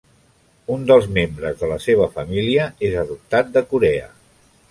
Un dels membres de la seva família és adoptat de Corea.